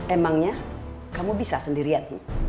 emangnya kamu bisa sendirian